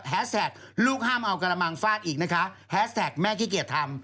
แท็กลูกห้ามเอากระมังฟาดอีกนะคะแฮสแท็กแม่ขี้เกียจทำ